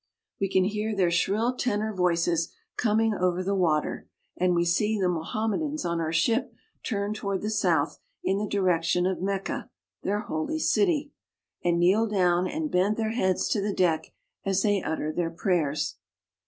We can hear their shrill tenor voices coming over the water, and we see the Moham medans on our ship turn toward the south in the direction of Mecca, their holy city, and kneel down and bend their heads to the deck, as they utter their prayers.